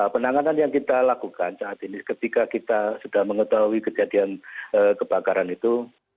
penanganan yang kita lakukan saat ini ketika kita sudah mengetahui kejadian kebakaran itu